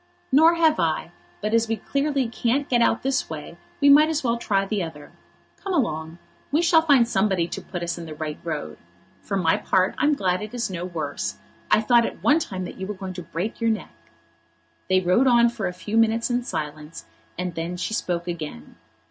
"Nor have I; but as we clearly can't get out this way we might as well try the other. Come along. We shall find somebody to put us in the right road. For my part I'm glad it is no worse. I thought at one time that you were going to break your neck." They rode on for a few minutes in silence, and then she spoke again.